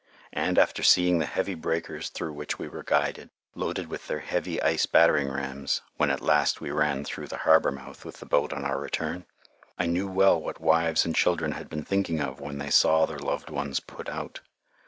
And, after seeing the heavy breakers through which we were guided, loaded with their heavy ice battering rams, when at last we ran through the harbor mouth with the boat on our return, I knew well what wives and children had been thinking of when they saw their loved ones put out.